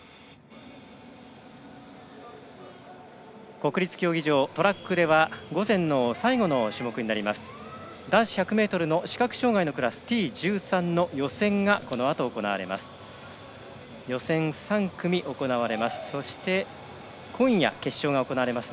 国立競技場、トラックでは午前最後の種目男子１００ｍの視覚障がいクラスＴ１３の予選がこのあと行われます。